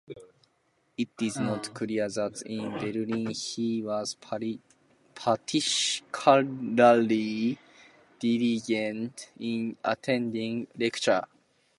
It is not clear that in Berlin he was particularly diligent in attending lectures.